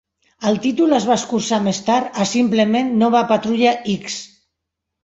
El títol es va escurçar més tard a simplement "Nova patrulla X".